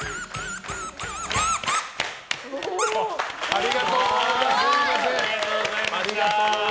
ありがとうございます。